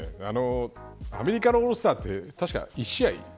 アメリカのオールスターって１試合。